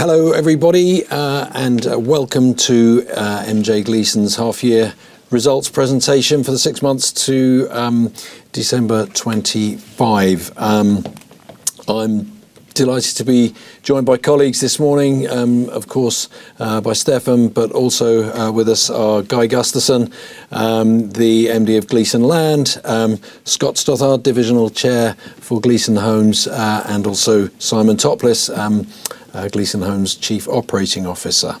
Hello, everybody, and welcome to MJ Gleeson's half-year results presentation for the six months to December 2025. I'm delighted to be joined by colleagues this morning, of course, by Stefan, but also, with us are Guy Gusterson, the MD of Gleeson Land, Scott Stothard, Divisional Chair for Gleeson Homes, and also Simon Topliss, Gleeson Homes' Chief Operating Officer.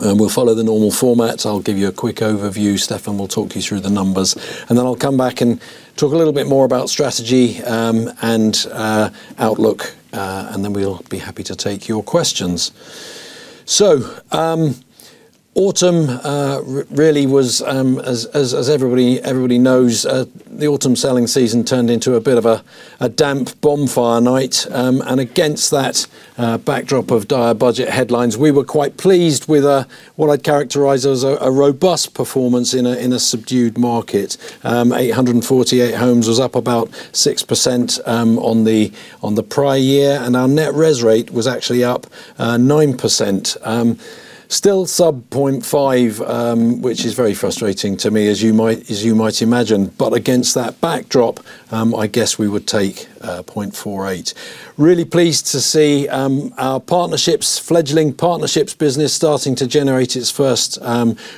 We'll follow the normal format. I'll give you a quick overview, Stefan will talk you through the numbers, and then I'll come back and talk a little bit more about strategy, and outlook, and then we'll be happy to take your questions. So, autumn really was, as everybody knows, the autumn selling season turned into a bit of a damp bonfire night. And against that backdrop of dire budget headlines, we were quite pleased with what I'd characterize as a robust performance in a subdued market. 848 homes was up about 6% on the prior year, and our net res rate was actually up 9%. Still sub 0.5, which is very frustrating to me, as you might imagine. But against that backdrop, I guess we would take 0.48. Really pleased to see our partnerships, fledgling partnerships business starting to generate its first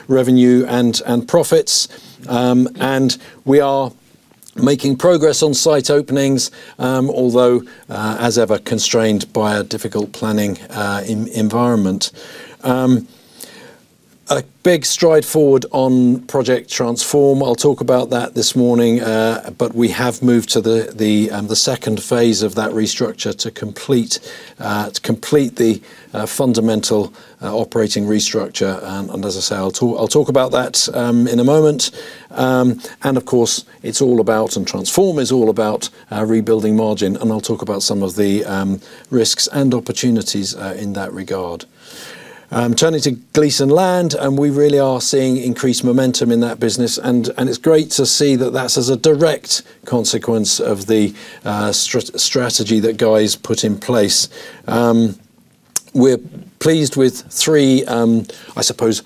revenue and profits. And we are making progress on site openings, although, as ever, constrained by a difficult planning environment. A big stride forward on Project Transform. I'll talk about that this morning, but we have moved to the second phase of that restructure to complete the fundamental operating restructure. And as I say, I'll talk about that in a moment. And of course, it's all about, and Transform is all about, rebuilding margin, and I'll talk about some of the risks and opportunities in that regard. Turning to Gleeson Land, and we really are seeing increased momentum in that business, and it's great to see that that's as a direct consequence of the strategy that Guy's put in place. We're pleased with three, I suppose,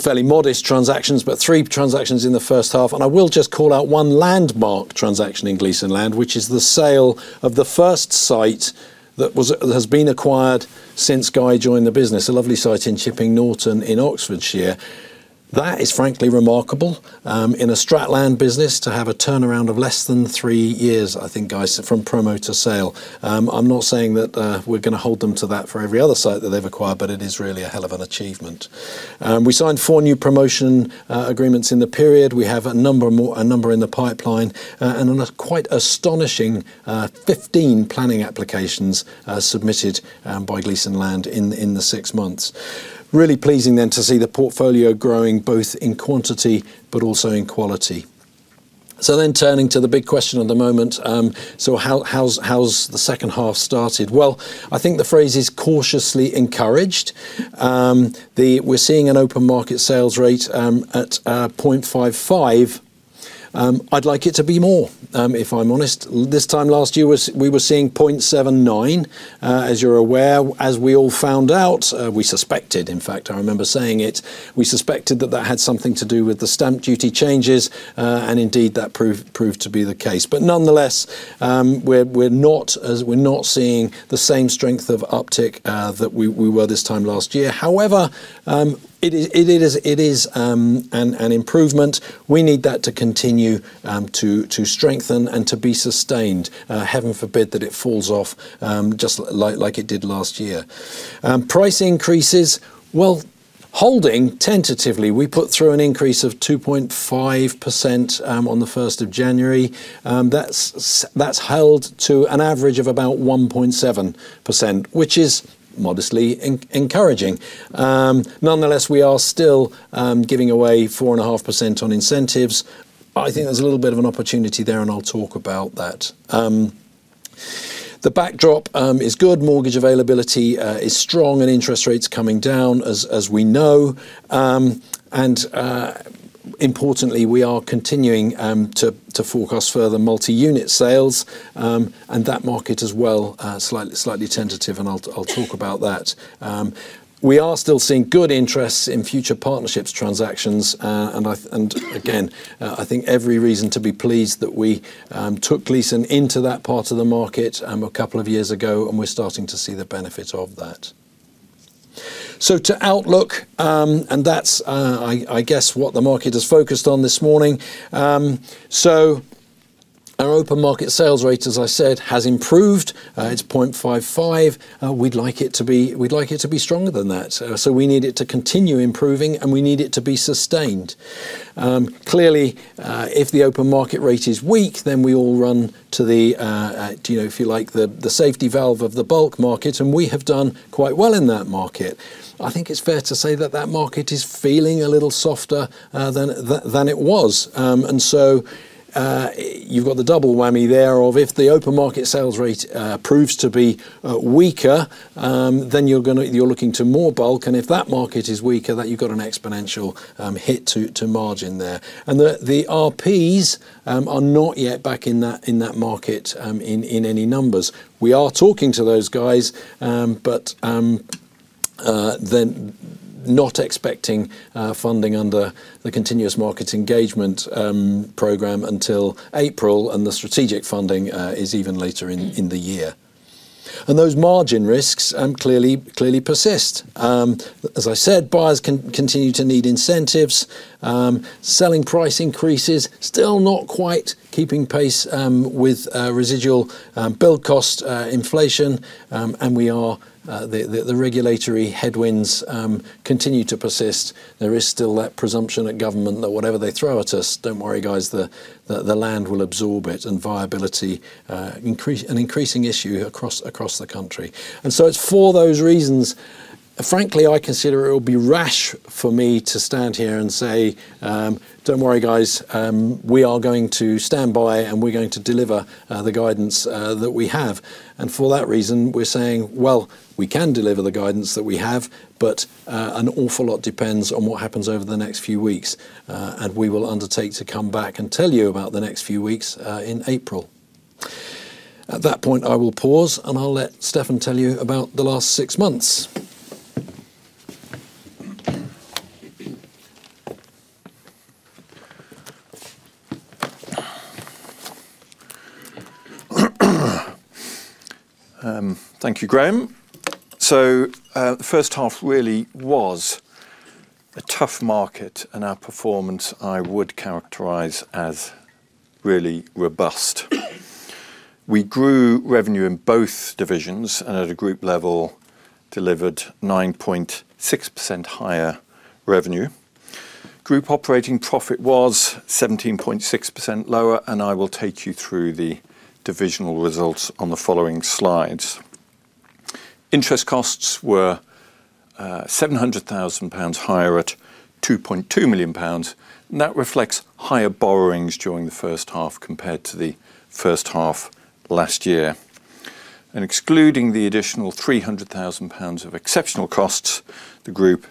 fairly modest transactions, but three transactions in the first half, and I will just call out one landmark transaction in Gleeson Land, which is the sale of the first site that has been acquired since Guy joined the business, a lovely site in Chipping Norton, in Oxfordshire. That is frankly remarkable, in a strat land business, to have a turnaround of less than three years, I think, Guy, from promo to sale. I'm not saying that, we're gonna hold them to that for every other site that they've acquired, but it is really a hell of an achievement. We signed four new promotion agreements in the period. We have a number more in the pipeline, and then a quite astonishing 15 planning applications submitted by Gleeson Land in the six months. Really pleasing, then, to see the portfolio growing, both in quantity, but also in quality. So then turning to the big question of the moment, so how, how's, how's the second half started? Well, I think the phrase is cautiously encouraged. We're seeing an open market sales rate at 0.55. I'd like it to be more, if I'm honest. This time last year, we were seeing 0.79. As you're aware, as we all found out, we suspected, in fact, I remember saying it, we suspected that that had something to do with the stamp duty changes, and indeed, that proved to be the case. But nonetheless, we're not seeing the same strength of uptick that we were this time last year. However, it is an improvement. We need that to continue to strengthen and to be sustained. Heaven forbid that it falls off just like it did last year. Price increases, well, holding tentatively. We put through an increase of 2.5% on the 1st of January. That's held to an average of about 1.7%, which is modestly encouraging. Nonetheless, we are still giving away 4.5% on incentives. I think there's a little bit of an opportunity there, and I'll talk about that. The backdrop is good. Mortgage availability is strong, and interest rates coming down, as we know. Importantly, we are continuing to forecast further multi-unit sales, and that market as well, slightly tentative, and I'll talk about that. We are still seeing good interest in future partnerships transactions, and again, I think every reason to be pleased that we took Gleeson into that part of the market a couple of years ago, and we're starting to see the benefits of that. So to outlook, and that's, I guess, what the market is focused on this morning. So our open market sales rate, as I said, has improved. It's 0.55. We'd like it to be stronger than that. So we need it to continue improving, and we need it to be sustained. Clearly, if the open market rate is weak, then we all run to the, you know, if you like, the safety valve of the bulk market, and we have done quite well in that market. I think it's fair to say that that market is feeling a little softer than it was. And so, you've got the double whammy there of, if the open market sales rate proves to be weaker, then you're gonna, you're looking to more bulk, and if that market is weaker, then you've got an exponential hit to margin there. And the RPs are not yet back in that market in any numbers. We are talking to those guys, but then not expecting funding under the Continuous Market Engagement program until April, and the strategic funding is even later in the year. And those margin risks clearly persist. As I said, buyers continue to need incentives. Selling price increases still not quite keeping pace with residual build cost inflation, and the regulatory headwinds continue to persist. There is still that presumption at government that whatever they throw at us, don't worry, guys, the land will absorb it, and viability, an increasing issue across the country. So it's for those reasons, frankly, I consider it would be rash for me to stand here and say, "Don't worry, guys, we are going to stand by, and we're going to deliver the guidance that we have." And for that reason, we're saying, "Well, we can deliver the guidance that we have, but an awful lot depends on what happens over the next few weeks." And we will undertake to come back and tell you about the next few weeks in April. At that point, I will pause, and I'll let Stefan tell you about the last six months. Thank you, Graham. So, the first half really was a tough market, and our performance I would characterize as really robust. We grew revenue in both divisions and at a group level, delivered 9.6% higher revenue. Group operating profit was 17.6% lower, and I will take you through the divisional results on the following slides. Interest costs were seven hundred thousand pounds higher at 2.2 million pounds, and that reflects higher borrowings during the first half compared to the first half last year. And excluding the additional 300,000 pounds of exceptional costs, the group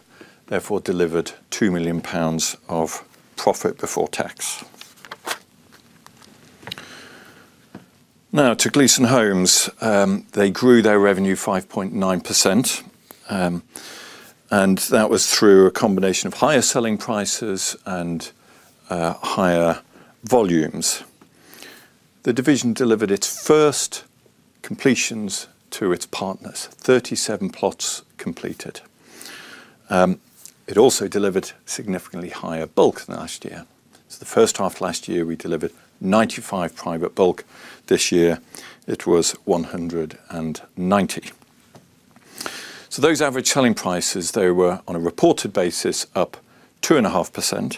therefore delivered 2 million pounds of profit before tax. Now, to Gleeson Homes, they grew their revenue 5.9%, and that was through a combination of higher selling prices and higher volumes. The division delivered its first completions to its partners, 37 plots completed. It also delivered significantly higher bulk than last year. So the first half of last year, we delivered 95 private bulk. This year, it was 190. So those average selling prices, they were, on a reported basis, up 2.5%.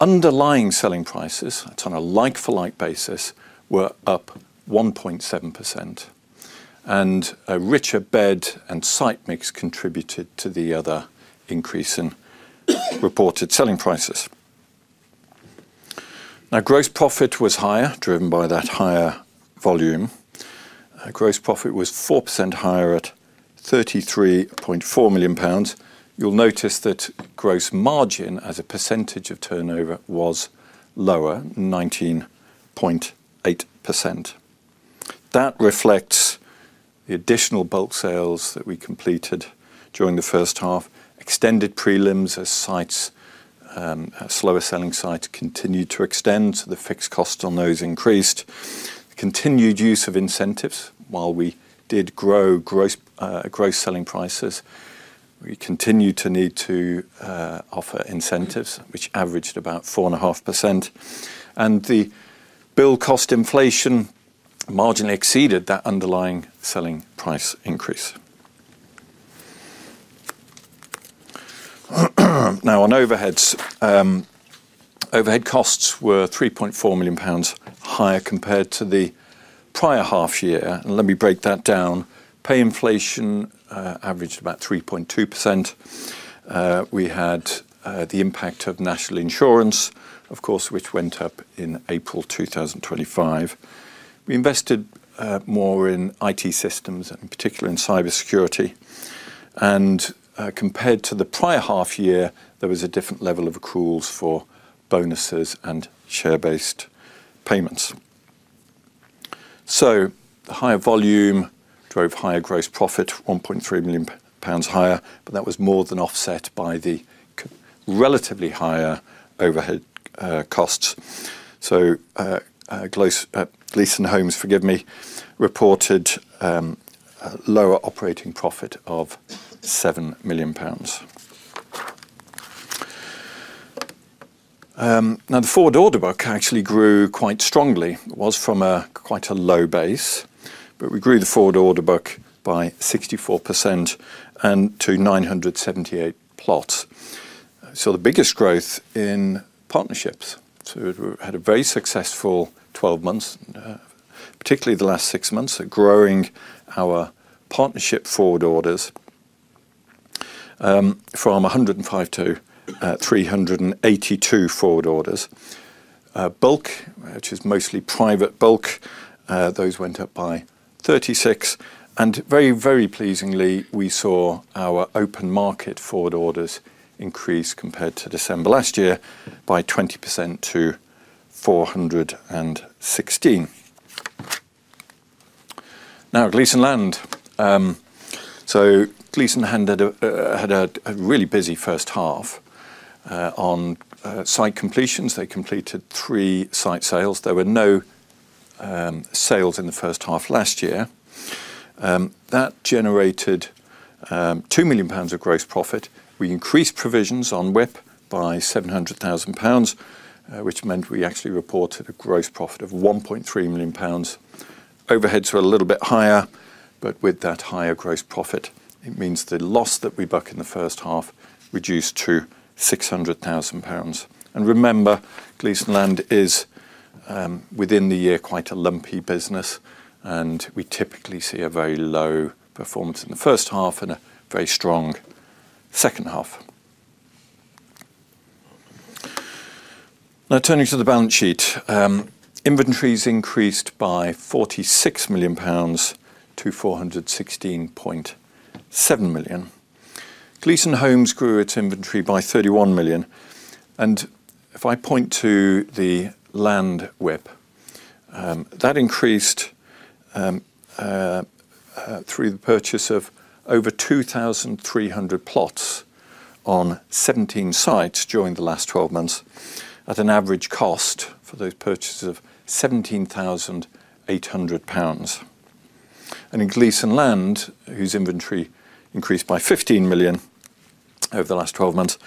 Underlying selling prices, that's on a like-for-like basis, were up 1.7%, and a richer bed and site mix contributed to the other increase in reported selling prices. Now, gross profit was higher, driven by that higher volume. Gross profit was 4% higher at 33.4 million pounds. You'll notice that gross margin as a percentage of turnover, was lower, 19.8%. That reflects the additional bulk sales that we completed during the first half, extended prelims as sites, slower selling sites continued to extend, so the fixed costs on those increased. Continued use of incentives. While we did grow gross, gross selling prices, we continued to need to offer incentives, which averaged about 4.5%, and the build cost inflation marginally exceeded that underlying selling price increase. Now, on overheads, overhead costs were 3.4 million pounds higher compared to the prior half year. And let me break that down. Pay inflation averaged about 3.2%. We had the impact of National Insurance, of course, which went up in April 2025. We invested more in IT systems, and in particular in cybersecurity. Compared to the prior half year, there was a different level of accruals for bonuses and share-based payments. So the higher volume drove higher gross profit, 1.3 million pounds higher, but that was more than offset by the relatively higher overhead costs. So, Gleeson Homes, forgive me, reported a lower operating profit of 7 million pounds. Now, the forward order book actually grew quite strongly. It was from quite a low base, but we grew the forward order book by 64% and to 978 plots. So the biggest growth in partnerships. So we had a very successful 12 months, particularly the last six months, at growing our partnership forward orders, from 105 to 382 forward orders. Bulk, which is mostly private bulk, those went up by 36, and very, very pleasingly, we saw our open market forward orders increase compared to December last year by 20% to 416. Now, Gleeson Land. So Gleeson Land had a really busy first half on site completions. They completed three site sales. There were no sales in the first half last year. That generated 2 million pounds of gross profit. We increased provisions on WIP by 700,000 pounds, which meant we actually reported a gross profit of 1.3 million pounds. Overheads were a little bit higher, but with that higher gross profit, it means the loss that we book in the first half reduced to 600,000 pounds. And remember, Gleeson Land is, within the year, quite a lumpy business, and we typically see a very low performance in the first half and a very strong second half. Now, turning to the balance sheet. Inventories increased by 46 million pounds to 416.7 million. Gleeson Homes grew its inventory by 31 million, and if I point to the land WIP, that increased, through the purchase of over 2,300 plots on 17 sites during the last 12 months, at an average cost for those purchases of 17,800 pounds. And in Gleeson Land, whose inventory increased by 15 million over the last 12 months,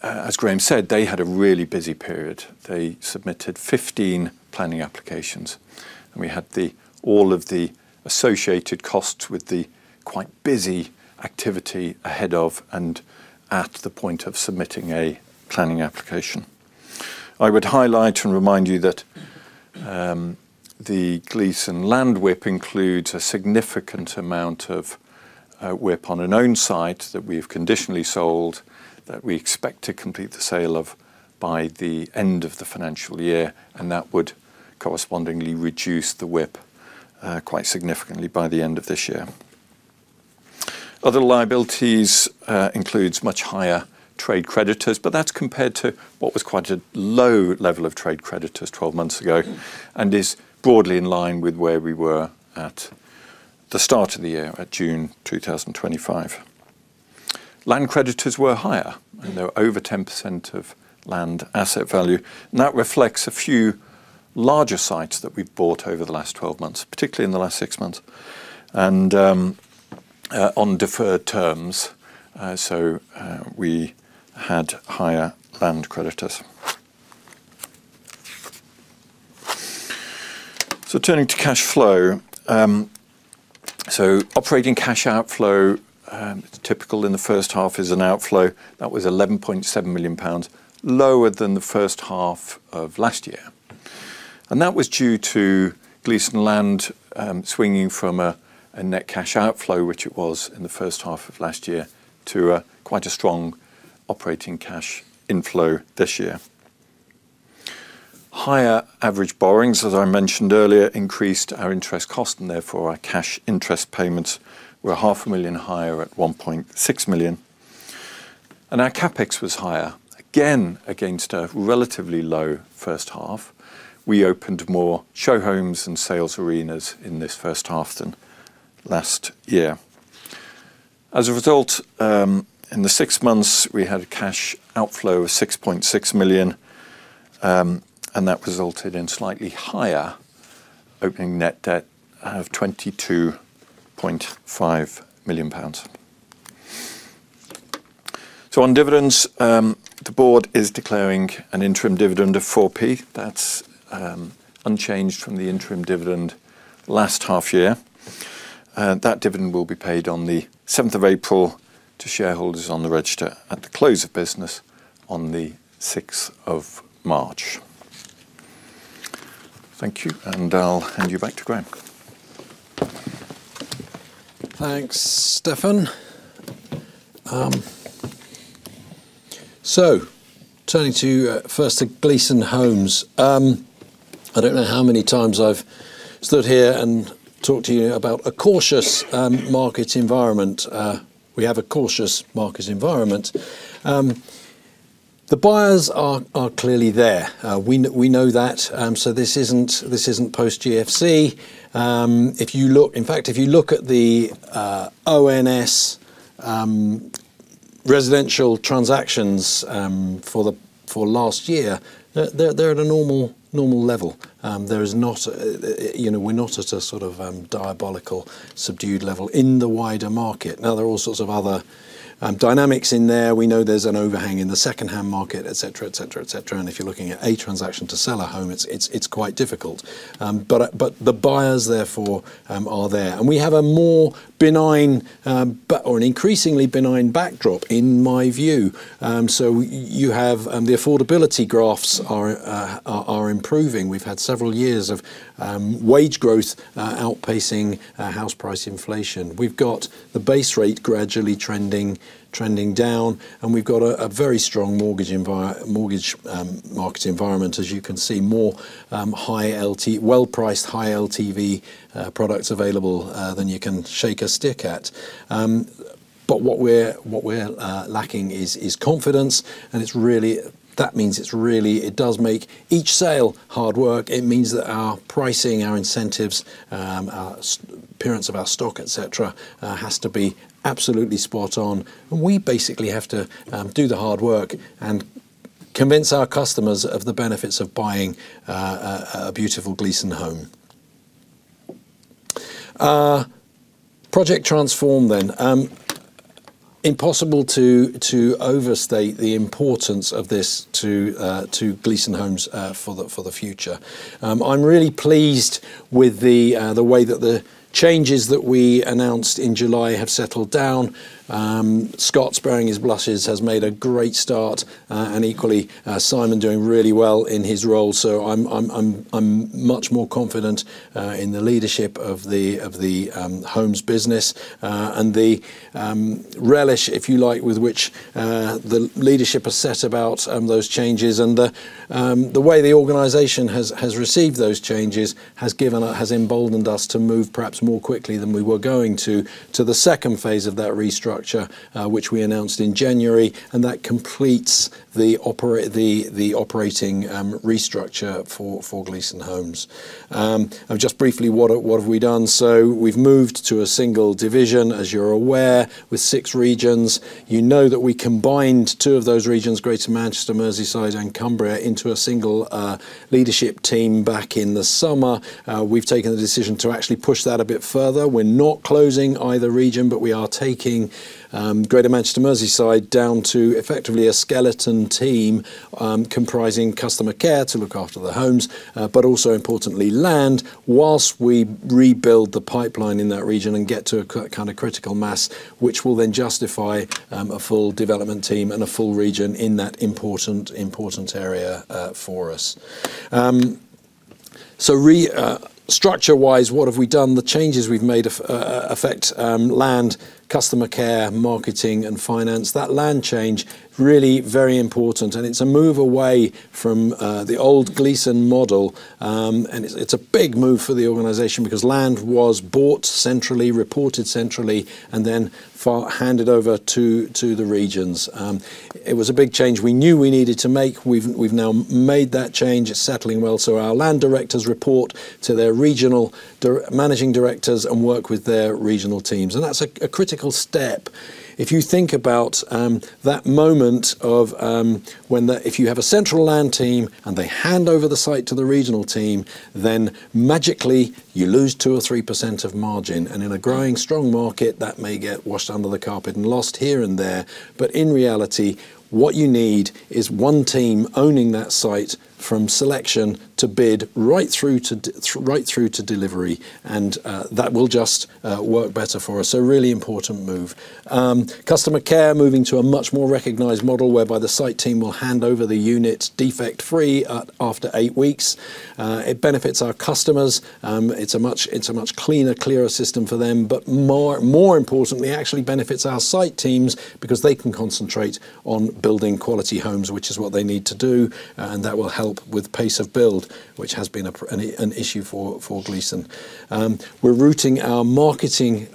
as Graham said, they had a really busy period. They submitted 15 planning applications, and we had all of the associated costs with the quite busy activity ahead of, and at the point of submitting a planning application. I would highlight and remind you that, the Gleeson Land WIP includes a significant amount of, WIP on an owned site that we've conditionally sold, that we expect to complete the sale of by the end of the financial year, and that would correspondingly reduce the WIP, quite significantly by the end of this year. Other liabilities, includes much higher trade creditors, but that's compared to what was quite a low level of trade creditors 12 months ago, and is broadly in line with where we were at the start of the year, at June 2025. Land creditors were higher, and they were over 10% of land asset value, and that reflects a few larger sites that we've bought over the last 12 months, particularly in the last six months, and on deferred terms, so we had higher land creditors. Turning to cash flow. Operating cash outflow, typical in the first half, is an outflow. That was 11.7 million pounds, lower than the first half of last year. And that was due to Gleeson Land swinging from a net cash outflow, which it was in the first half of last year, to quite a strong operating cash inflow this year. Higher average borrowings, as I mentioned earlier, increased our interest cost, and therefore, our cash interest payments were 500,000 higher at 1.6 million, and our CapEx was higher, again, against a relatively low first half. We opened more show homes and sales arenas in this first half than last year. As a result, in the six months, we had a cash outflow of 6.6 million, and that resulted in slightly higher opening net debt of 22.5 million pounds. So on dividends, the board is declaring an interim dividend of 4p. That's unchanged from the interim dividend last half year. That dividend will be paid on the seventh of April to shareholders on the register at the close of business on the sixth of March. Thank you, and I'll hand you back to Graham. Thanks, Stefan. So turning to first to Gleeson Homes. I don't know how many times I've stood here and talked to you about a cautious market environment. We have a cautious market environment. The buyers are clearly there. We know that, so this isn't post GFC. If you look... In fact, if you look at the ONS residential transactions for last year, they're at a normal level. There is not, you know, we're not at a sort of diabolical subdued level in the wider market. Now, there are all sorts of other dynamics in there. We know there's an overhang in the secondhand market, et cetera, et cetera, et cetera, and if you're looking at a transaction to sell a home, it's quite difficult. But the buyers, therefore, are there. And we have a more benign or an increasingly benign backdrop, in my view. So you have the affordability graphs are improving. We've had several years of wage growth outpacing house price inflation. We've got the base rate gradually trending down, and we've got a very strong mortgage market environment. As you can see, more well-priced, high LTV products available than you can shake a stick at. But what we're lacking is confidence, and it's really, that means it's really, it does make each sale hard work. It means that our pricing, our incentives, our site's appearance of our stock, et cetera, has to be absolutely spot on. We basically have to do the hard work and convince our customers of the benefits of buying a beautiful Gleeson home. Project Transform then. Impossible to overstate the importance of this to Gleeson Homes for the future. I'm really pleased with the way that the changes that we announced in July have settled down. Scott, sparing his blushes, has made a great start, and equally, Simon doing really well in his role. So I'm much more confident in the leadership of the homes business and the relish, if you like, with which the leadership has set about those changes and the way the organization has received those changes, has given us, has emboldened us to move perhaps more quickly than we were going to, to the second phase of that restructure, which we announced in January, and that completes the operating restructure for Gleeson Homes. And just briefly, what have we done? So we've moved to a single division, as you're aware, with six regions. You know that we combined two of those regions, Greater Manchester, Merseyside, and Cumbria, into a single leadership team back in the summer. We've taken the decision to actually push that a bit further. We're not closing either region, but we are taking Greater Manchester, Merseyside, down to effectively a skeleton team, comprising customer care to look after the homes, but also importantly, land, while we rebuild the pipeline in that region and get to a kind of critical mass, which will then justify a full development team and a full region in that important, important area, for us. Structure-wise, what have we done? The changes we've made affect land, customer care, marketing, and finance. That land change, really very important, and it's a move away from the old Gleeson model. And it's a big move for the organization because land was bought centrally, reported centrally, and then handed over to the regions. It was a big change we knew we needed to make. We've now made that change. It's settling well. So our land directors report to their regional managing directors and work with their regional teams, and that's a critical step. If you think about that moment of when the... If you have a central land team and they hand over the site to the regional team, then magically, you lose 2% or 3% of margin, and in a growing, strong market, that may get washed under the carpet and lost here and there. But in reality, what you need is one team owning that site from selection to bid right through to delivery, and that will just work better for us, so a really important move. Customer care, moving to a much more recognized model whereby the site team will hand over the unit defect-free after eight weeks. It benefits our customers. It's a much cleaner, clearer system for them, but more importantly, it actually benefits our site teams because they can concentrate on building quality homes, which is what they need to do, and that will help with pace of build, which has been an issue for Gleeson. We're routing our marketing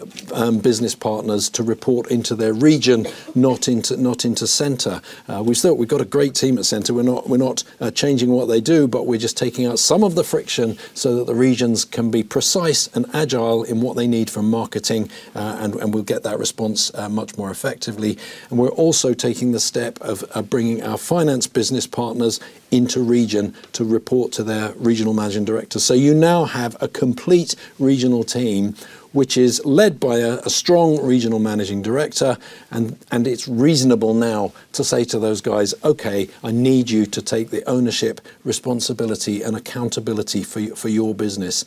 business partners to report into their region, not into center. We've still got a great team at center. We're not changing what they do, but we're just taking out some of the friction so that the regions can be precise and agile in what they need from marketing, and we'll get that response much more effectively. And we're also taking the step of bringing our finance business partners into region to report to their regional managing director. So you now have a complete regional team, which is led by a strong regional managing director, and it's reasonable now to say to those guys, "Okay, I need you to take the ownership, responsibility, and accountability for your business."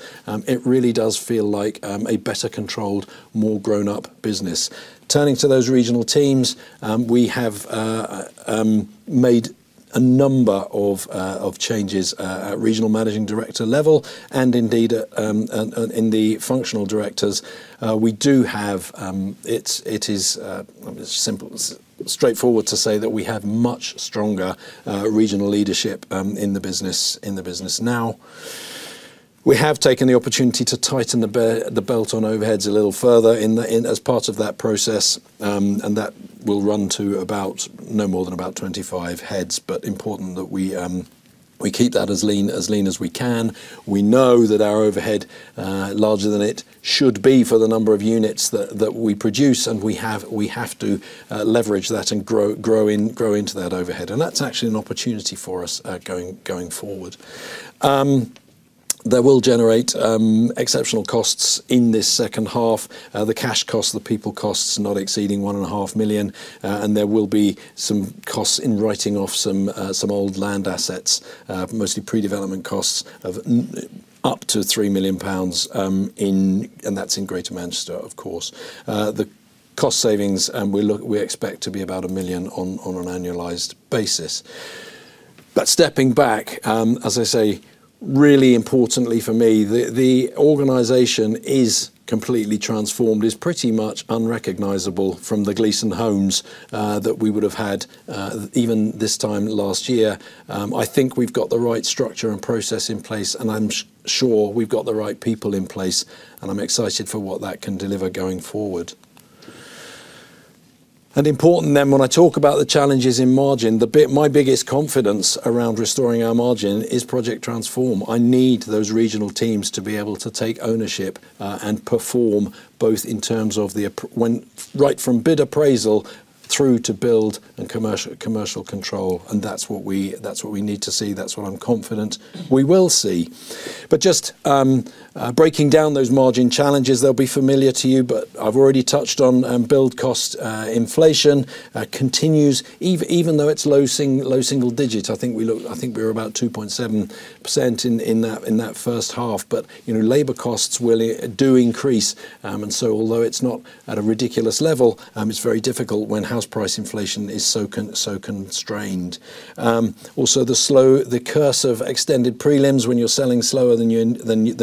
It really does feel like a better controlled, more grown-up business. Turning to those regional teams, we have made a number of changes at regional managing director level and indeed in the functional directors. We do have, it is simple, straightforward to say that we have much stronger regional leadership in the business now. We have taken the opportunity to tighten the belt on overheads a little further in as part of that process, and that will run to about, no more than about 25 heads, but important that we keep that as lean as we can. We know that our overhead larger than it should be for the number of units that we produce, and we have to leverage that and grow into that overhead. That's actually an opportunity for us going forward. That will generate exceptional costs in this second half. The cash cost, the people costs, are not exceeding 1.5 million, and there will be some costs in writing off some old land assets, mostly pre-development costs of up to 3 million pounds in Greater Manchester, of course. The cost savings we expect to be about 1 million on an annualized basis. But stepping back, as I say, really importantly for me, the organization is completely transformed, is pretty much unrecognizable from the Gleeson Homes that we would have had even this time last year. I think we've got the right structure and process in place, and I'm sure we've got the right people in place, and I'm excited for what that can deliver going forward. Important then, when I talk about the challenges in margin, my biggest confidence around restoring our margin is Project Transform. I need those regional teams to be able to take ownership and perform both in terms of the appraisal when, right from bid appraisal through to build and commercial, commercial control, and that's what we, that's what we need to see. That's what I'm confident we will see. But just breaking down those margin challenges, they'll be familiar to you, but I've already touched on build cost inflation continues. Even though it's low single digits, I think we're about 2.7% in that first half. But, you know, labor costs really do increase. And so although it's not at a ridiculous level, it's very difficult when house price inflation is so constrained. Also, the curse of extended prelims when you're selling slower than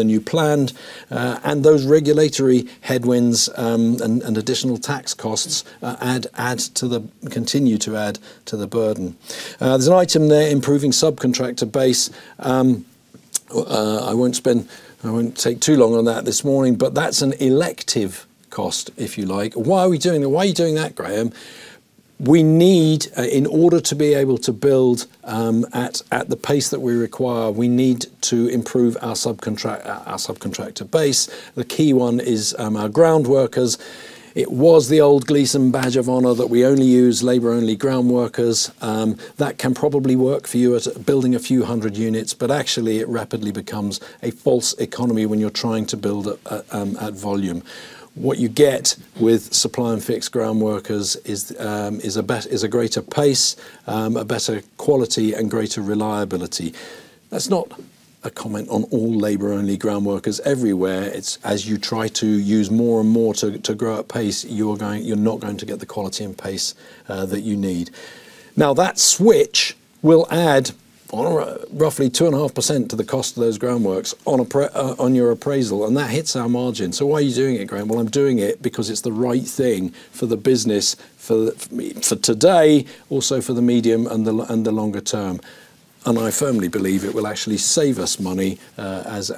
you planned, and those regulatory headwinds, and additional tax costs, add - continue to add to the burden. There's an item there, improving subcontractor base. I won't take too long on that this morning, but that's an elective cost, if you like. Why are we doing that? Why are you doing that, Graham? We need in order to be able to build at the pace that we require, we need to improve our subcontractor base. The key one is our groundworkers. It was the old Gleeson badge of honor that we only use labor-only groundworkers. That can probably work for you at building a few hundred units, but actually, it rapidly becomes a false economy when you're trying to build at volume. What you get with supply and fix groundworkers is a greater pace, a better quality, and greater reliability. That's not a comment on all labor-only groundworkers everywhere. It's as you try to use more and more to grow at pace, you're going... You're not going to get the quality and pace that you need. Now, that switch will add on roughly 2.5% to the cost of those groundworks on your appraisal, and that hits our margin. "So why are you doing it, Graham?" Well, I'm doing it because it's the right thing for the business, for me, for today, also for the medium and the longer term, and I firmly believe it will actually save us money, as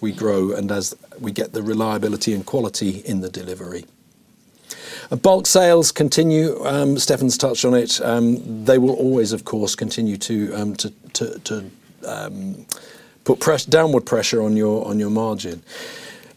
we grow and as we get the reliability and quality in the delivery. Bulk sales continue. Stefan's touched on it. They will always, of course, continue to put downward pressure on your margin.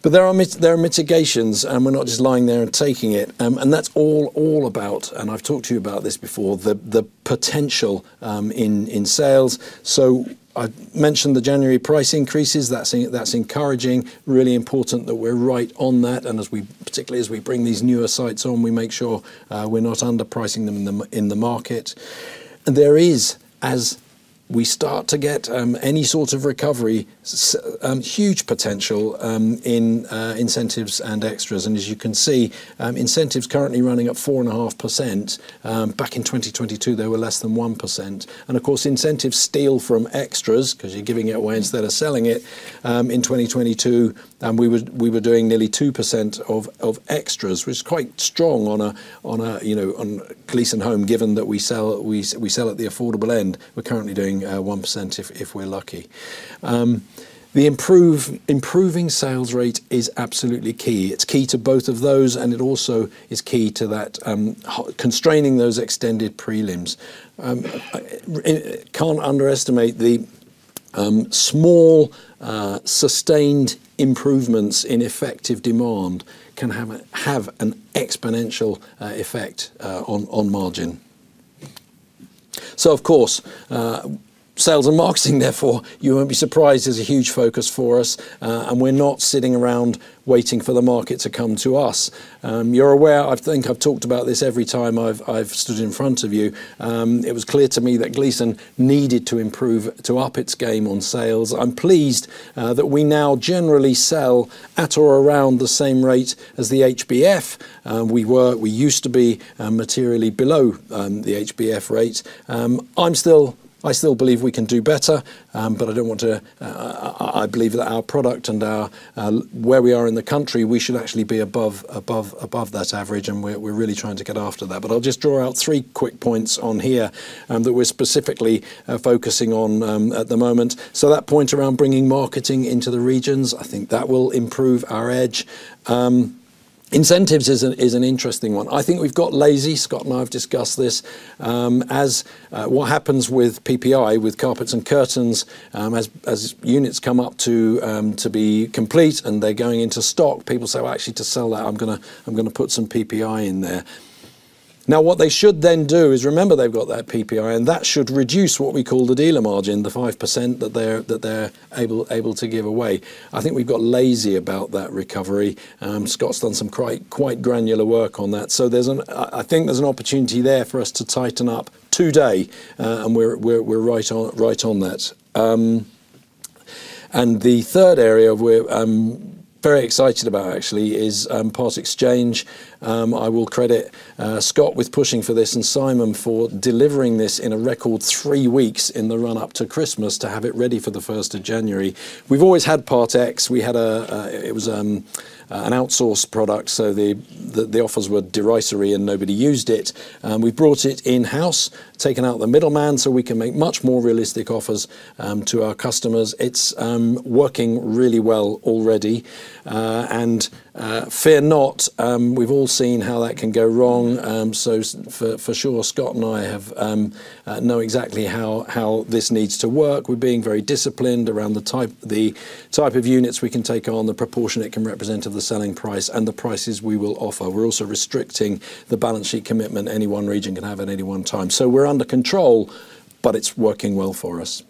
But there are mitigations, and we're not just lying there and taking it. And that's all about, and I've talked to you about this before, the potential in sales. So I mentioned the January price increases. That's encouraging. Really important that we're right on that, and as we, particularly as we bring these newer sites on, we make sure we're not underpricing them in the market. And there is, as we start to get any sort of recovery, huge potential in incentives and extras. And as you can see, incentives currently running at 4.5%. Back in 2022, they were less than 1%. And of course, incentives steal from extras 'cause you're giving it away instead of selling it. In 2022, we were doing nearly 2% of extras, which is quite strong on a, on a, you know, on Gleeson Homes, given that we sell, we sell at the affordable end. We're currently doing 1%, if we're lucky. The improving sales rate is absolutely key. It's key to both of those, and it also is key to that, constraining those extended prelims. I can't underestimate the small, sustained improvements in effective demand can have an exponential effect on margin. So of course, sales and marketing, therefore, you won't be surprised, is a huge focus for us, and we're not sitting around waiting for the market to come to us. You're aware, I think I've talked about this every time I've stood in front of you. It was clear to me that Gleeson needed to improve, to up its game on sales. I'm pleased that we now generally sell at or around the same rate as the HBF. We were, we used to be materially below the HBF rate. I still believe we can do better, but I don't want to, I believe that our product and our where we are in the country, we should actually be above, above, above that average, and we're really trying to get after that. But I'll just draw out three quick points on here that we're specifically focusing on at the moment. So that point around bringing marketing into the regions, I think that will improve our edge. Incentives is an interesting one. I think we've got lazy. Scott and I have discussed this. As what happens with PPI, with carpets and curtains, as units come up to be complete and they're going into stock, people say, "Well, actually, to sell that, I'm gonna put some PPI in there." Now, what they should then do is remember they've got that PPI, and that should reduce what we call the dealer margin, the 5% that they're able to give away. I think we've got lazy about that recovery. Scott's done some quite granular work on that. So there's an... I think there's an opportunity there for us to tighten up today, and we're right on that. And the third area where I'm very excited about, actually, is part exchange. I will credit Scott with pushing for this and Simon for delivering this in a record three weeks in the run-up to Christmas to have it ready for the first of January. We've always had part ex. We had an outsourced product, so the offers were derisory, and nobody used it. We brought it in-house, taken out the middleman, so we can make much more realistic offers to our customers. It's working really well already. And fear not, we've all seen how that can go wrong. So for sure, Scott and I have known exactly how this needs to work. We're being very disciplined around the type of units we can take on, the proportion it can represent of the selling price, and the prices we will offer. We're also restricting the balance sheet commitment any one region can have at any one time. So we're under control, but it's working well for us.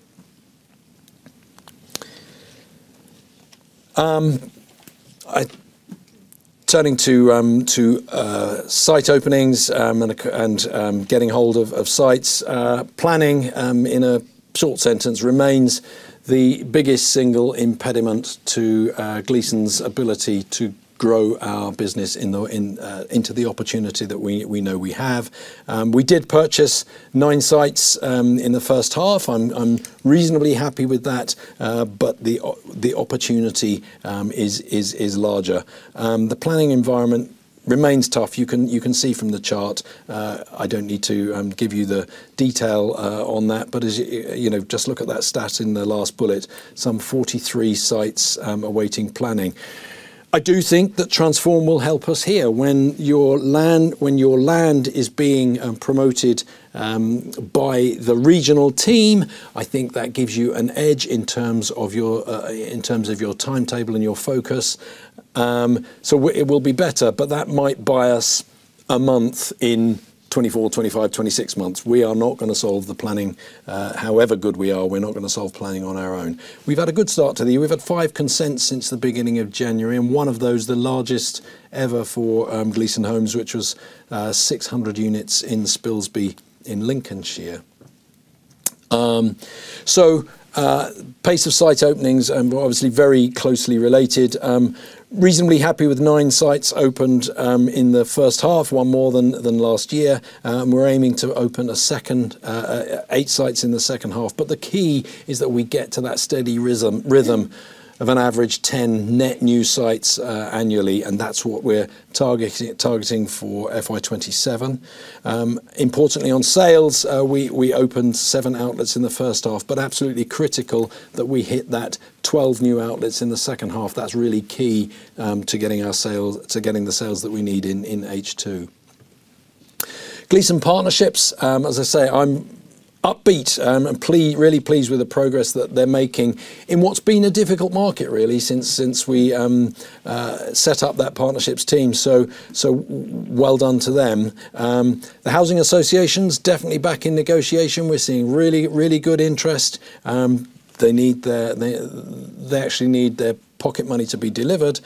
Turning to site openings and getting hold of sites. Planning, in a short sentence, remains the biggest single impediment to Gleeson’s ability to grow our business into the opportunity that we know we have. We did purchase 9 sites in the first half. I'm reasonably happy with that, but the opportunity is larger. The planning environment remains tough. You can see from the chart. I don't need to give you the detail on that, but as you know, just look at that stat in the last bullet, some 43 sites awaiting planning. I do think that Transform will help us here. When your land is being promoted by the regional team, I think that gives you an edge in terms of your timetable and your focus. So it will be better, but that might buy us a month in 2024, 2025, 2026 months. We are not gonna solve the planning. However good we are, we're not gonna solve planning on our own. We've had a good start to the year. We've had five consents since the beginning of January, and one of those, the largest ever for Gleeson Homes, which was 600 units in Spilsby, in Lincolnshire. So pace of site openings obviously very closely related. Reasonably happy with nine sites opened in the first half, one more than last year. We're aiming to open a second eight sites in the second half. But the key is that we get to that steady rhythm of an average 10 net new sites annually, and that's what we're targeting for FY 2027. Importantly, on sales, we opened seven outlets in the first half, but absolutely critical that we hit that 12 new outlets in the second half. That's really key to getting our sales... to getting the sales that we need in H2. Gleeson Partnerships, as I say, I'm upbeat, and really pleased with the progress that they're making in what's been a difficult market, really, since we set up that partnerships team. So well done to them. The housing associations, definitely back in negotiation. We're seeing really, really good interest. They need their-- They actually need their pocket money to be delivered.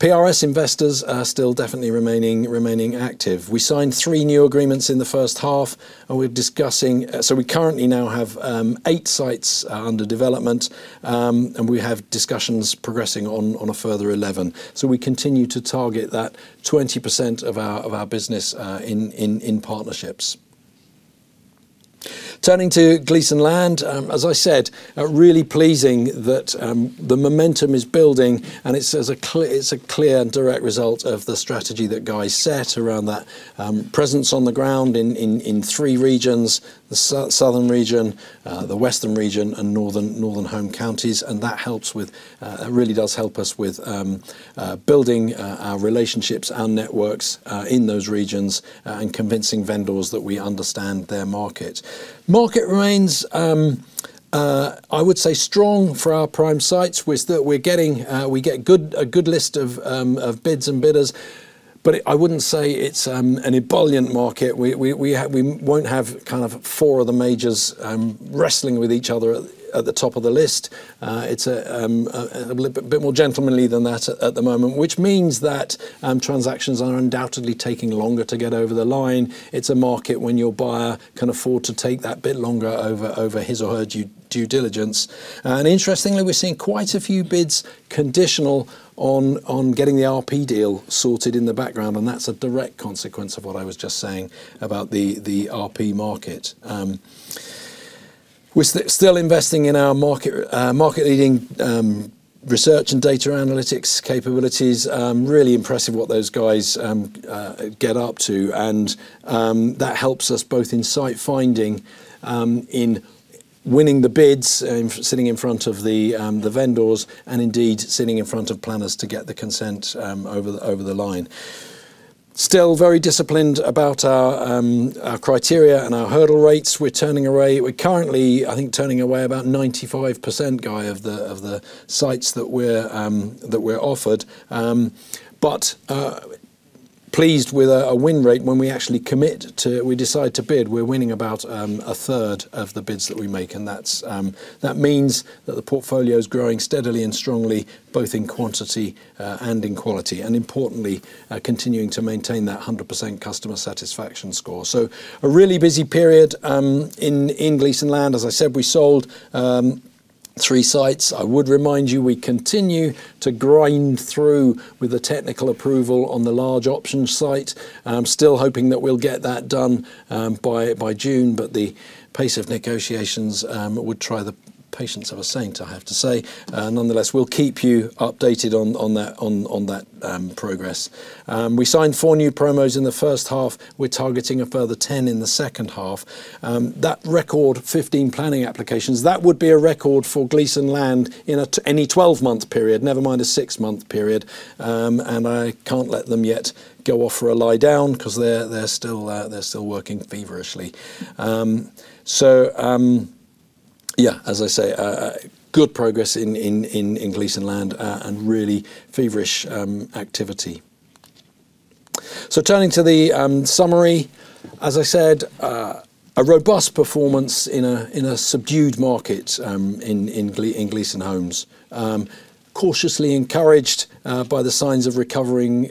PRS investors are still definitely remaining active. We signed three new agreements in the first half, and we're discussing. So we currently now have eight sites under development, and we have discussions progressing on a further 11. So we continue to target that 20% of our business in partnerships. Turning to Gleeson Land, as I said, really pleasing that the momentum is building, and it's a clear and direct result of the strategy that Guy set around that presence on the ground in three regions: the southern region, the western region, and Northern Home Counties. And that helps with, it really does help us with building our relationships, our networks in those regions, and convincing vendors that we understand their market. Market remains, I would say, strong for our prime sites, which we're getting, we get a good list of bids and bidders, but I wouldn't say it's an ebullient market. We won't have kind of four of the majors, wrestling with each other at the top of the list. It's a bit more gentlemanly than that at the moment, which means that transactions are undoubtedly taking longer to get over the line. It's a market when your buyer can afford to take that bit longer over his or her due diligence. And interestingly, we're seeing quite a few bids conditional on getting the RP deal sorted in the background, and that's a direct consequence of what I was just saying about the RP market. We're still investing in our market-leading research and data analytics capabilities. Really impressive what those guys get up to, and that helps us both in site finding, in winning the bids, sitting in front of the vendors, and indeed, sitting in front of planners to get the consent over the line. Still very disciplined about our criteria and our hurdle rates. We're currently, I think, turning away about 95%, Guy, of the sites that we're offered. But pleased with a win rate when we actually commit to... we decide to bid. We're winning about a third of the bids that we make, and that's that means that the portfolio is growing steadily and strongly, both in quantity and in quality, and importantly, continuing to maintain that 100% customer satisfaction score. So a really busy period in Gleeson Land. As I said, we sold three sites. I would remind you, we continue to grind through with the technical approval on the large options site. I'm still hoping that we'll get that done by June, but the pace of negotiations would try the patience of a saint, I have to say. Nonetheless, we'll keep you updated on that progress. We signed four new promos in the first half. We're targeting a further 10 in the second half. That record 15 planning applications, that would be a record for Gleeson Land in any 12-month period, never mind a six-month period. And I can't let them yet go off for a lie down 'cause they're still working feverishly. So... Yeah, as I say, good progress in Gleeson Land, and really feverish activity. So turning to the summary, as I said, a robust performance in a subdued market in Gleeson Homes. Cautiously encouraged by the signs of recovering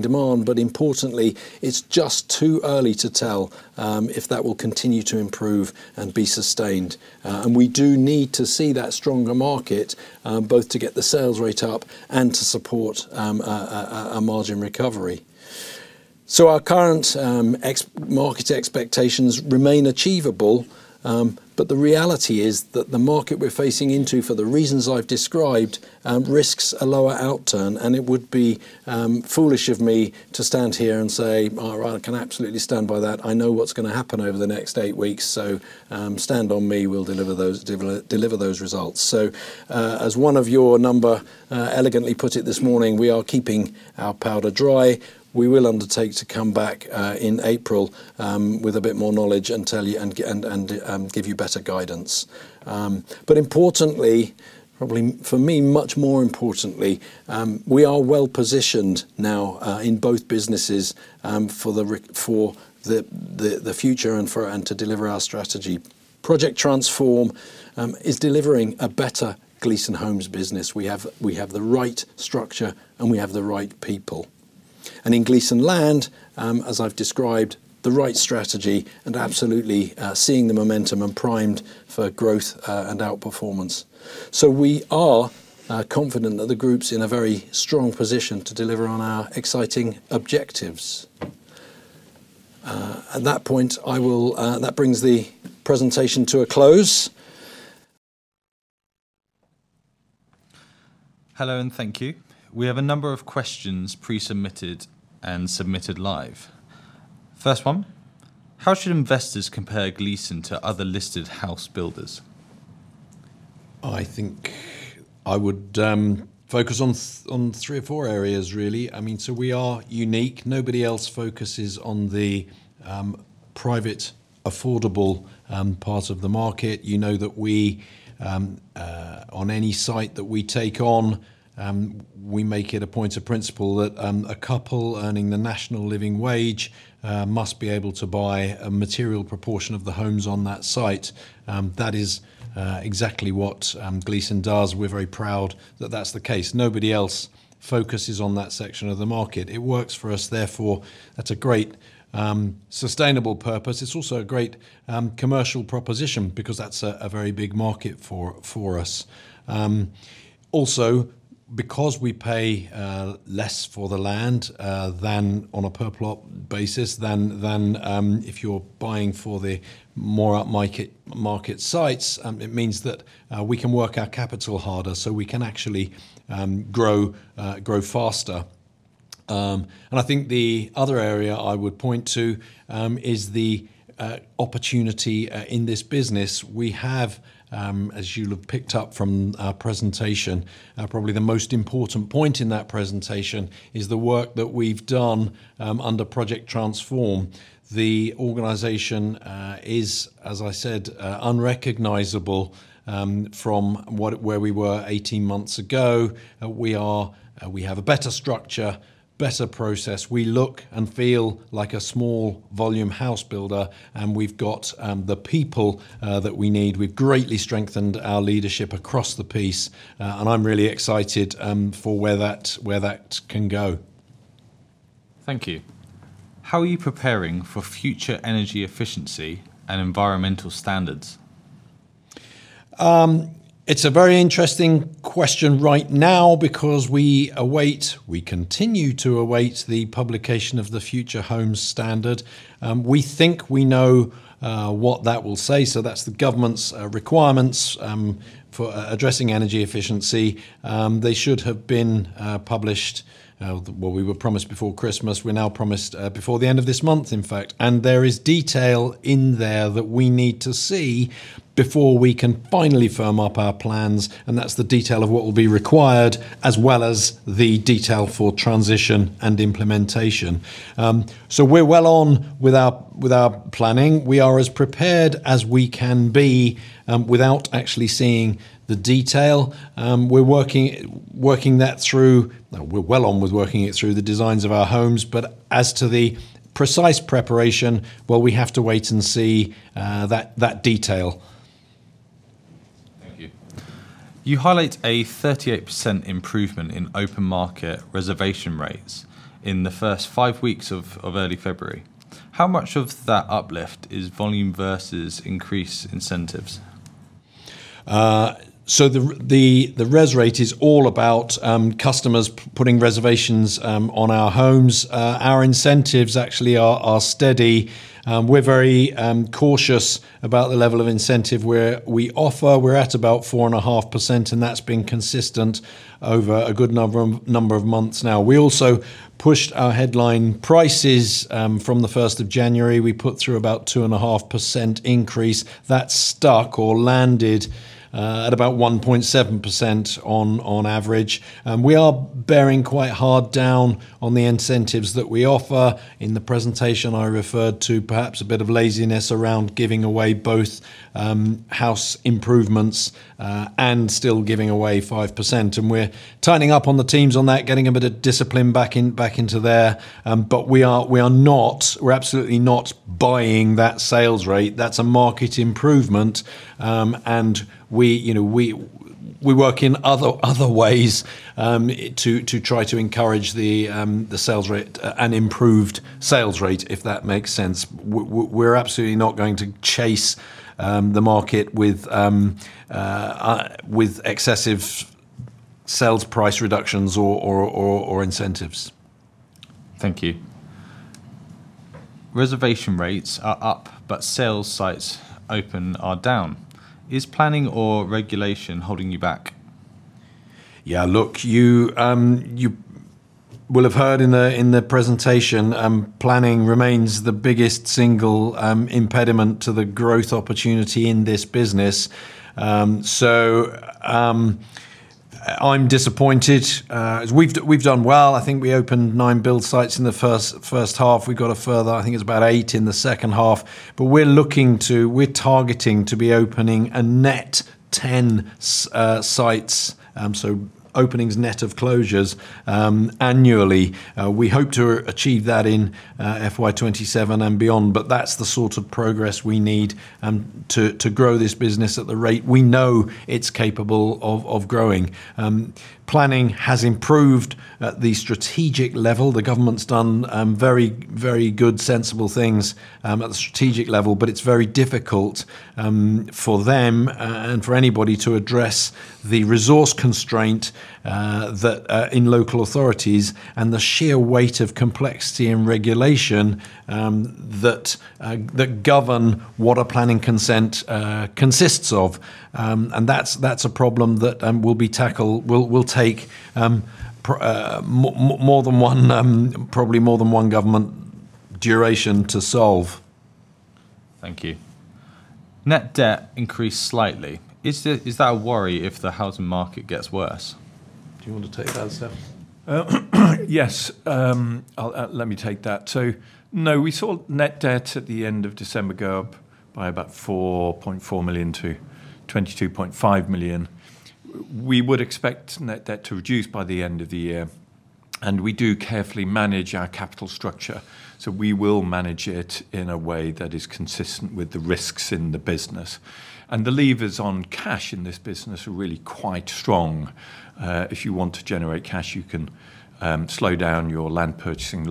demand, but importantly, it's just too early to tell if that will continue to improve and be sustained. And we do need to see that stronger market both to get the sales rate up and to support a margin recovery. So our current ex-market expectations remain achievable, but the reality is that the market we're facing into, for the reasons I've described, risks a lower outturn, and it would be foolish of me to stand here and say, "Oh, I can absolutely stand by that. I know what's gonna happen over the next eight weeks, so stand on me, we'll deliver those deliver those results." So as one of your number elegantly put it this morning, we are keeping our powder dry. We will undertake to come back in April with a bit more knowledge and tell you and and give you better guidance. But importantly, probably for me, much more importantly, we are well positioned now in both businesses for the future and to deliver our strategy. Project Transform is delivering a better Gleeson Homes business. We have the right structure, and we have the right people. And in Gleeson Land, as I've described, the right strategy and absolutely seeing the momentum and primed for growth and outperformance. So we are confident that the group's in a very strong position to deliver on our exciting objectives. At that point, that brings the presentation to a close. Hello, and thank you. We have a number of questions pre-submitted and submitted live. First one: How should investors compare Gleeson to other listed house builders? I think I would focus on three or four areas, really. I mean, so we are unique. Nobody else focuses on the private, affordable part of the market. You know that we on any site that we take on, we make it a point of principle that a couple earning the National Living Wage must be able to buy a material proportion of the homes on that site. That is exactly what Gleeson does. We're very proud that that's the case. Nobody else focuses on that section of the market. It works for us. Therefore, that's a great sustainable purpose. It's also a great commercial proposition because that's a very big market for us. Also, because we pay less for the land than on a per plot basis than if you're buying for the more upmarket market sites, it means that we can work our capital harder, so we can actually grow faster. And I think the other area I would point to is the opportunity in this business. We have, as you have picked up from our presentation, probably the most important point in that presentation is the work that we've done under Project Transform. The organization is, as I said, unrecognizable from where we were 18 months ago. We have a better structure, better process. We look and feel like a small volume house builder, and we've got the people that we need. We've greatly strengthened our leadership across the piece, and I'm really excited for where that can go. Thank you. How are you preparing for future energy efficiency and environmental standards? It's a very interesting question right now because we await, we continue to await the publication of the Future Homes Standard. We think we know what that will say, so that's the government's requirements for addressing energy efficiency. They should have been published, well, we were promised before Christmas. We're now promised before the end of this month, in fact, and there is detail in there that we need to see before we can finally firm up our plans, and that's the detail of what will be required, as well as the detail for transition and implementation. So we're well on with our planning. We are as prepared as we can be without actually seeing the detail. We're working that through. We're well on with working it through the designs of our homes, but as to the precise preparation, well, we have to wait and see that detail. Thank you. You highlight a 38% improvement in open market reservation rates in the first five weeks of early February. How much of that uplift is volume versus increased incentives? So the res rate is all about customers putting reservations on our homes. Our incentives actually are steady. We're very cautious about the level of incentive we offer. We're at about 4.5%, and that's been consistent over a good number of months now. We also pushed our headline prices from the 1st of January. We put through about 2.5% increase. That stuck or landed at about 1.7% on average. We are bearing quite hard down on the incentives that we offer. In the presentation, I referred to perhaps a bit of laziness around giving away both house improvements and still giving away 5%, and we're turning up on the teams on that, getting a bit of discipline back in, back into there. But we're absolutely not buying that sales rate. That's a market improvement. And we, you know, we work in other ways to try to encourage the sales rate, an improved sales rate, if that makes sense. We're absolutely not going to chase the market with excessive sales price reductions or incentives. Thank you. Reservation rates are up, but sales sites open are down. Is planning or regulation holding you back? Yeah, look, you, you will have heard in the, in the presentation, planning remains the biggest single, impediment to the growth opportunity in this business. So, I'm disappointed. We've, we've done well. I think we opened nine build sites in the first half. We got a further, I think, it's about eight in the second half. But we're looking to we're targeting to be opening a net 10 sites, so openings net of closures, annually. We hope to achieve that in, FY 2027 and beyond, but that's the sort of progress we need, to grow this business at the rate we know it's capable of growing. Planning has improved at the strategic level. The government's done very, very good, sensible things at the strategic level, but it's very difficult for them and for anybody to address the resource constraint in local authorities, and the sheer weight of complexity and regulation that govern what a planning consent consists of. And that's a problem that will take more than one, probably more than one government duration to solve. Thank you. Net debt increased slightly. Is that a worry if the housing market gets worse? Do you want to take that, Stef? Let me take that. So, no, we saw net debt at the end of December go up by about 4.4 million-22.5 million. We would expect net debt to reduce by the end of the year, and we do carefully manage our capital structure, so we will manage it in a way that is consistent with the risks in the business. And the levers on cash in this business are really quite strong. If you want to generate cash, you can slow down your land purchasing,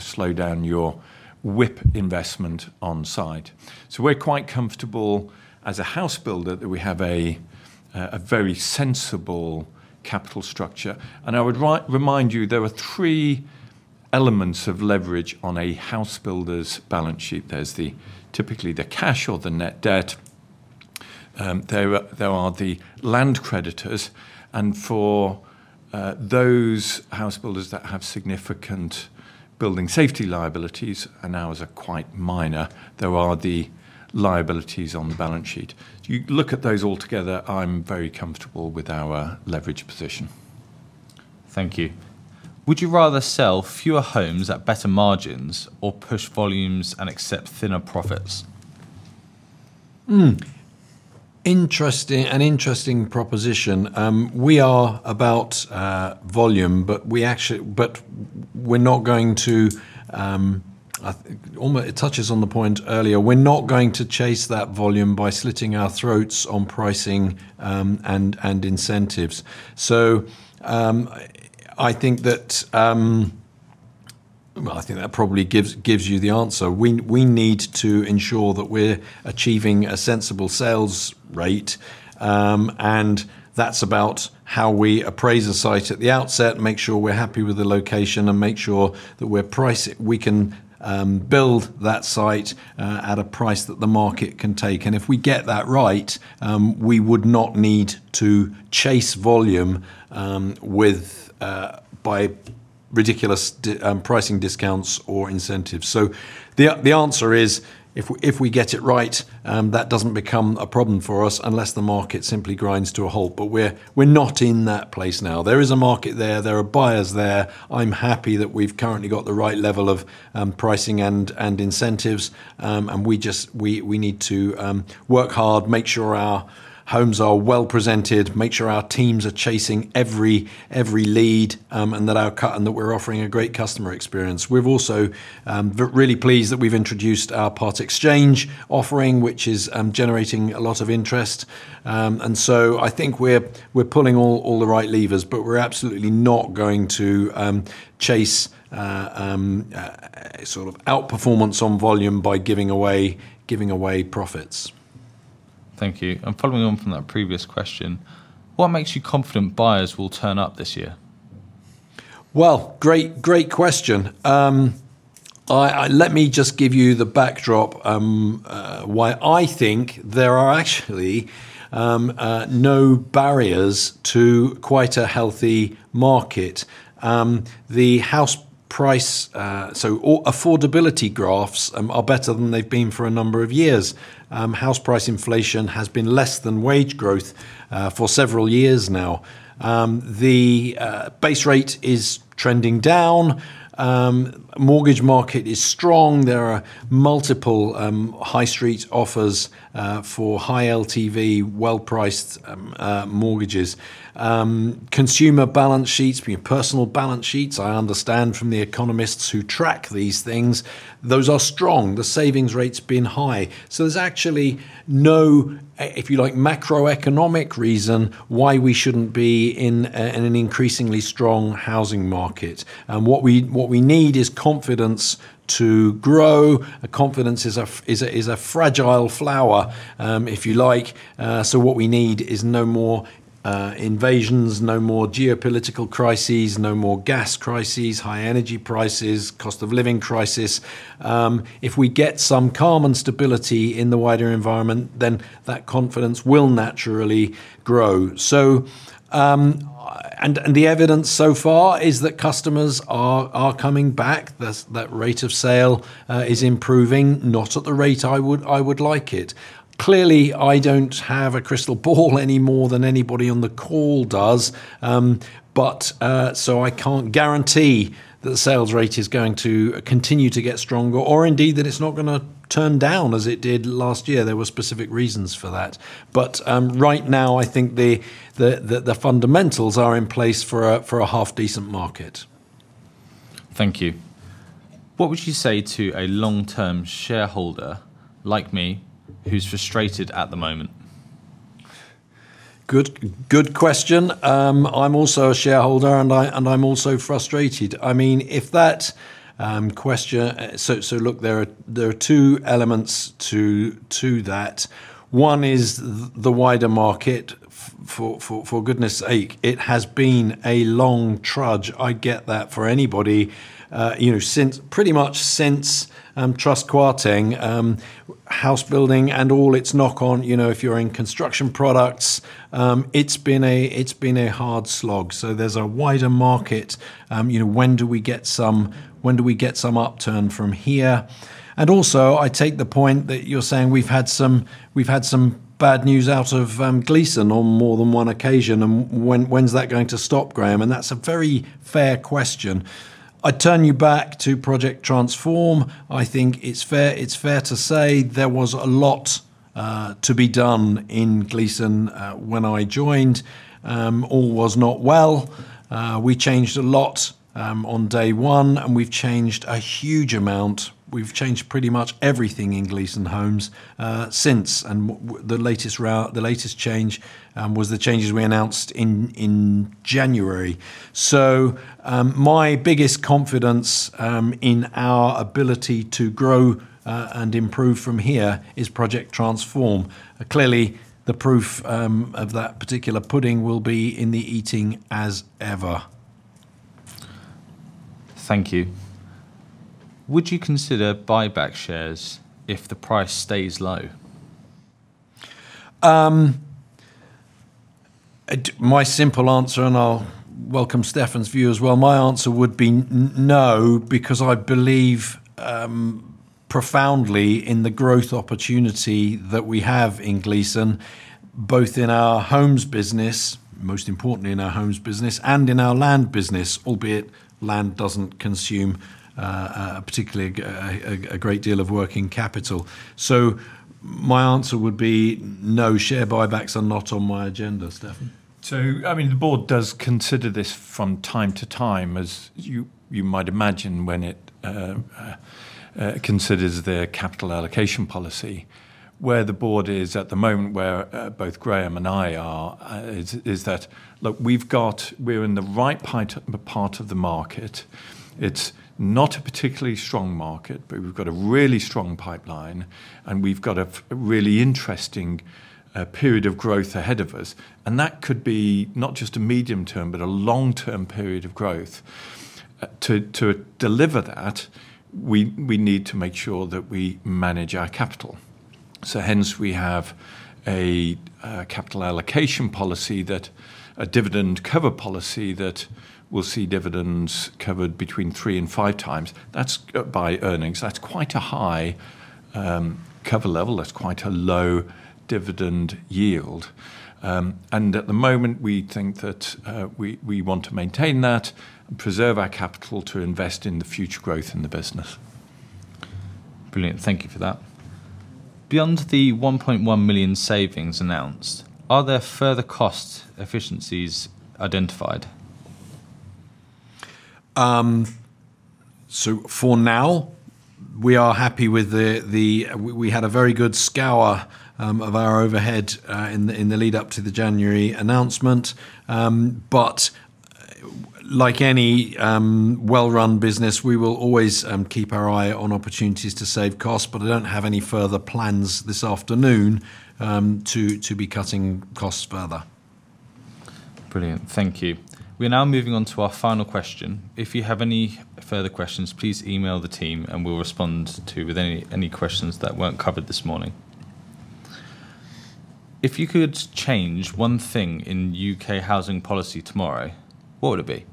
slow down your WIP investment on site. So we're quite comfortable as a house builder, that we have a very sensible capital structure. And I would remind you, there are three elements of leverage on a house builder's balance sheet. There's typically the cash or the net debt. There are the land creditors, and for those house builders that have significant building safety liabilities, and ours are quite minor, there are the liabilities on the balance sheet. You look at those all together, I'm very comfortable with our leverage position. Thank you. Would you rather sell fewer homes at better margins or push volumes and accept thinner profits? Interesting. An interesting proposition. We are about volume, but we actually, but we're not going to, it touches on the point earlier. We're not going to chase that volume by slitting our throats on pricing, and incentives. So, I think that... Well, I think that probably gives you the answer. We need to ensure that we're achieving a sensible sales rate, and that's about how we appraise a site at the outset, make sure we're happy with the location, and make sure that we're pricing, we can build that site at a price that the market can take. And if we get that right, we would not need to chase volume with by ridiculous pricing discounts or incentives. So the answer is, if we get it right, that doesn't become a problem for us unless the market simply grinds to a halt. But we're not in that place now. There is a market there. There are buyers there. I'm happy that we've currently got the right level of pricing and incentives. And we just need to work hard, make sure our homes are well presented, make sure our teams are chasing every lead, and that we're offering a great customer experience. We're also really pleased that we've introduced our part exchange offering, which is generating a lot of interest. And so I think we're pulling all the right levers, but we're absolutely not going to chase sort of outperformance on volume by giving away profits. Thank you. Following on from that previous question, what makes you confident buyers will turn up this year? Well, great, great question. Let me just give you the backdrop, why I think there are actually no barriers to quite a healthy market. The house price affordability graphs are better than they've been for a number of years. House price inflation has been less than wage growth for several years now. The base rate is trending down. Mortgage market is strong. There are multiple high street offers for high LTV, well-priced mortgages. Consumer balance sheets, personal balance sheets, I understand from the economists who track these things, those are strong. The savings rate's been high. So there's actually no, if you like, macroeconomic reason why we shouldn't be in a, in an increasingly strong housing market. What we need is confidence to grow. A confidence is a fragile flower, if you like. So what we need is no more invasions, no more geopolitical crises, no more gas crises, high energy prices, cost of living crisis. If we get some calm and stability in the wider environment, then that confidence will naturally grow. So, the evidence so far is that customers are coming back. That rate of sale is improving, not at the rate I would like it. Clearly, I don't have a crystal ball any more than anybody on the call does. But I can't guarantee that the sales rate is going to continue to get stronger, or indeed, that it's not going to turn down as it did last year. There were specific reasons for that. But, right now, I think the fundamentals are in place for a half-decent market. Thank you. What would you say to a long-term shareholder like me, who's frustrated at the moment? Good, good question. I'm also a shareholder, and I'm also frustrated. I mean, so look, there are two elements to that. One is the wider market. For goodness' sake, it has been a long trudge. I get that for anybody. You know, since pretty much since Truss quitting, house building and all its knock-on, you know, if you're in construction products, it's been a hard slog. So there's a wider market. You know, when do we get some upturn from here? And also, I take the point that you're saying we've had some bad news out of Gleeson on more than one occasion, and when's that going to stop, Graham? That's a very fair question. I turn you back to Project Transform. I think it's fair, it's fair to say there was a lot to be done in Gleeson when I joined. All was not well. We changed a lot on day one, and we've changed a huge amount. We've changed pretty much everything in Gleeson Homes since, and the latest change was the changes we announced in January. So, my biggest confidence in our ability to grow and improve from here is Project Transform. Clearly, the proof of that particular pudding will be in the eating as ever. Thank you. Would you consider buyback shares if the price stays low? My simple answer, and I'll welcome Stefan's view as well, my answer would be no, because I believe profoundly in the growth opportunity that we have in Gleeson, both in our homes business, most importantly in our homes business, and in our land business, albeit land doesn't consume particularly a great deal of working capital. So my answer would be no, share buybacks are not on my agenda. Stefan? So, I mean, the board does consider this from time to time, as you might imagine, when it considers their capital allocation policy. Where the board is at the moment, both Graham and I are, is that, look, we've got—we're in the right part of the market. It's not a particularly strong market, but we've got a really strong pipeline, and we've got a really interesting period of growth ahead of us, and that could be not just a medium-term, but a long-term period of growth. To deliver that, we need to make sure that we manage our capital. So hence, we have a capital allocation policy, that a dividend cover policy that will see dividends covered between three and five times. That's, by earnings, that's quite a high cover level, that's quite a low dividend yield. And at the moment, we think that we want to maintain that and preserve our capital to invest in the future growth in the business. Brilliant. Thank you for that. Beyond the 1.1 million savings announced, are there further cost efficiencies identified? So for now, we are happy with the. We had a very good scour of our overhead in the lead-up to the January announcement. But like any well-run business, we will always keep our eye on opportunities to save costs, but I don't have any further plans this afternoon to be cutting costs further. Brilliant. Thank you. We're now moving on to our final question. If you have any further questions, please email the team, and we'll respond to with any, any questions that weren't covered this morning... If you could change one thing in U.K. housing policy tomorrow, what would it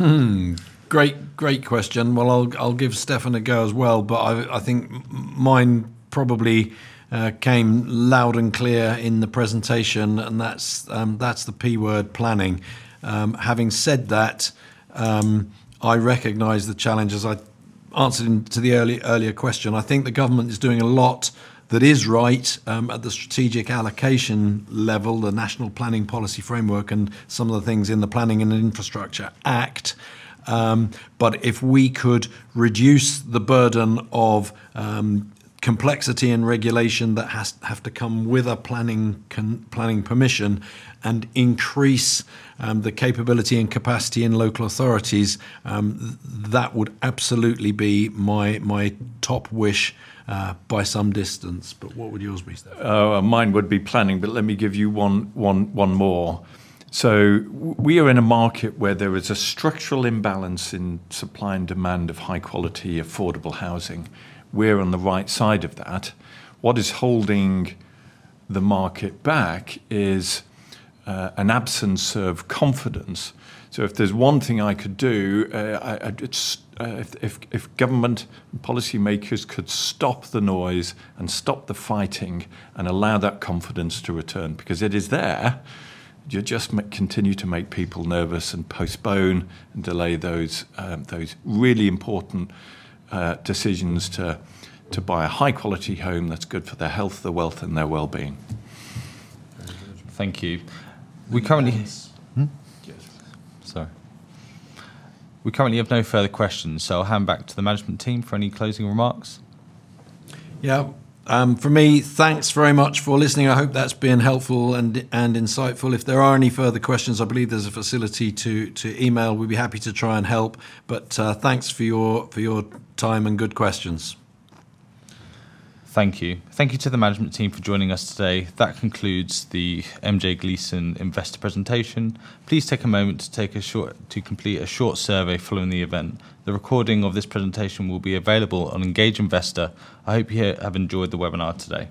be? Great, great question. Well, I'll, I'll give Stefan a go as well, but I, I think mine probably came loud and clear in the presentation, and that's the P word, planning. Having said that, I recognize the challenges. I answered to the earlier question. I think the government is doing a lot that is right at the strategic allocation level, the National Planning Policy Framework and some of the things in the Planning and Infrastructure Act. But if we could reduce the burden of complexity and regulation that have to come with a planning permission and increase the capability and capacity in local authorities, that would absolutely be my top wish by some distance. But what would yours be, Stefan? Mine would be planning, but let me give you one more. So we are in a market where there is a structural imbalance in supply and demand of high-quality, affordable housing. We're on the right side of that. What is holding the market back is an absence of confidence. So if there's one thing I could do, I'd just... If government policymakers could stop the noise and stop the fighting and allow that confidence to return, because it is there, you just continue to make people nervous and postpone and delay those really important decisions to buy a high-quality home that's good for their health, their wealth, and their well-being. Thank you. We currently- Yes. Hmm? Yes. Sorry. We currently have no further questions, so I'll hand back to the management team for any closing remarks. Yeah. For me, thanks very much for listening. I hope that's been helpful and insightful. If there are any further questions, I believe there's a facility to email. We'd be happy to try and help, but thanks for your time and good questions. Thank you. Thank you to the management team for joining us today. That concludes the MJ Gleeson investor presentation. Please take a moment to complete a short survey following the event. The recording of this presentation will be available on Engage Investor. I hope you have enjoyed the webinar today.